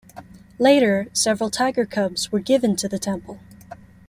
Later, several tiger cubs were given to the temple.